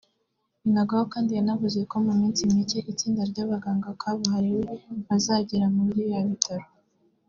Binagwaho kandi yanavuze ko mu minsi micye itsinda ry’abaganga kabuhariwe bazagera muri biriya bitaro